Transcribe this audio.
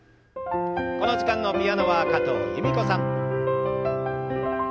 この時間のピアノは加藤由美子さん。